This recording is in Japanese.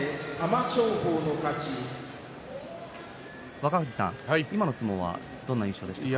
若藤さん、今の相撲はどんな印象でしたか？